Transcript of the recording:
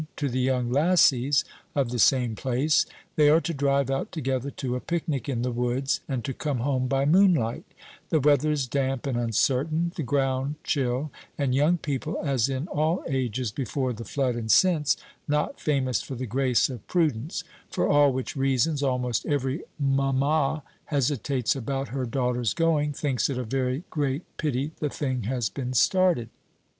to the young lassies of the same place; they are to drive out together to a picnic in the woods, and to come home by moonlight; the weather is damp and uncertain, the ground chill, and young people, as in all ages before the flood and since, not famous for the grace of prudence; for all which reasons, almost every mamma hesitates about her daughters' going thinks it a very great pity the thing has been started.